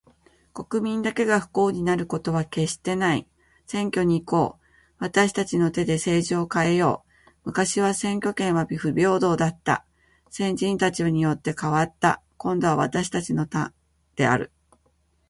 国民だけが不幸になることは決してない。選挙に行こう。私達の手で政治を変えよう。昔は選挙権は不平等だった。先人たちによって、変わった。今度は私達のターンである。